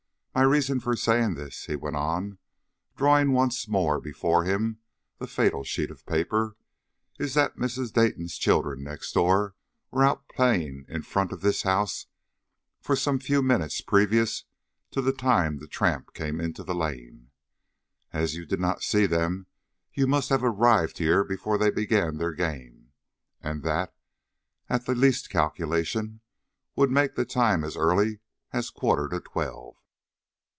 My reason for saying this," he went on, drawing once more before him the fatal sheet of paper, "is that Mrs. Dayton's children next door were out playing in front of this house for some few minutes previous to the time the tramp came into the lane. As you did not see them you must have arrived here before they began their game, and that, at the least calculation, would make the time as early as a quarter to twelve."